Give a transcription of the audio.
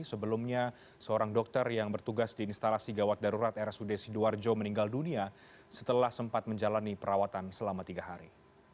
sebelumnya seorang dokter yang bertugas di instalasi gawat darurat rsud sidoarjo meninggal dunia setelah sempat menjalani perawatan selama tiga hari